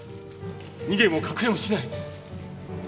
逃げも隠れもしない。